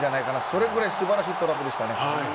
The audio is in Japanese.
それくらい素晴らしいトラップでした。